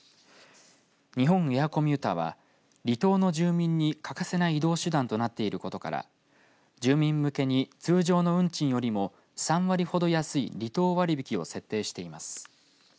日本エアコミューターは離島の住民に欠かせない移動手段となっていることから住民向けに通常の運賃よりも３割ほど安い離島割引を設定しています。